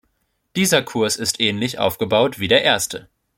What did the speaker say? Dieser Kurs ist ähnlich aufgebaut wie der erste.